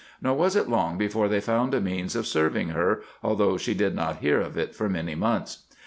Nor was it long before they found a means of serving her, although she did not hear of it for many months.